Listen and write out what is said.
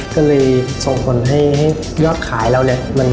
ก็เลยส่งผลให้ยอดขายเราเนี่ย